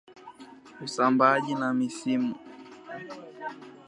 Usambaaji na misimu